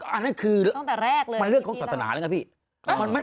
อันนั้นคือมันเรื่องของศาสนาแล้วค่ะพี่